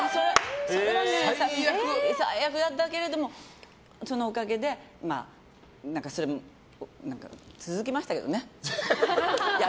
最悪だったけれどもそのおかげで続きましたけどね。